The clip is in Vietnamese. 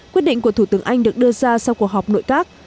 quyết định của thủ tướng anh được đưa ra sau cuộc họp nội các